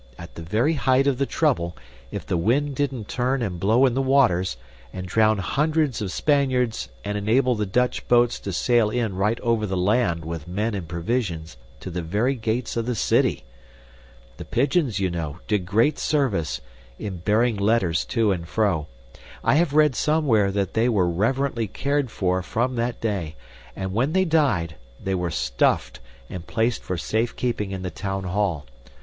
At the very height of the trouble, if the wind didn't turn and blow in the waters, and drown hundreds of Spaniards and enable the Dutch boats to sail in right over the land with men and provisions to the very gates of the city. The pigeons, you know, did great service, in bearing letters to and fro. I have read somewhere that they were reverently cared for from that day, and when they died, they were stuffed and placed for safekeeping in the town hall.